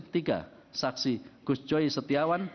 tiga saksi gusjoy setiawan